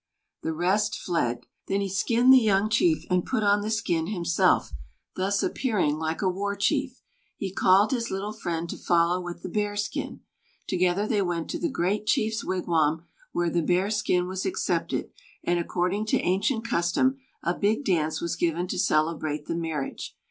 The rest fled. Then he skinned the young chief, and put on the skin himself, thus appearing like a war chief. He called his little friend to follow with the bear skin. Together they went to the great chief's wigwam, where the bear skin was accepted, and, according to ancient custom, a big dance was given to celebrate the marriage.